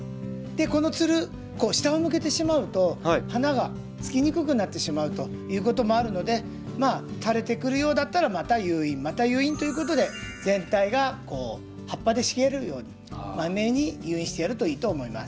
このつる下を向けてしまうと花がつきにくくなってしまうということもあるので垂れてくるようだったらまた誘引また誘引ということで全体が葉っぱで茂るようにまめに誘引してやるといいと思います。